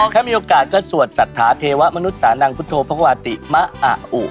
ถ้ามีโอกาสก็สวดศรัทธาเทวะมนุษย์สานางพุทธโภควาวาติมะอ่ะอู่